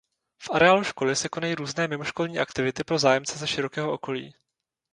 V areálu školy se konají různé mimoškolní aktivity pro zájemce ze širokého okolí.